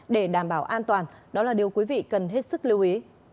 để đảm bảo an toàn đó là điều quý vị cần hết sức lưu ý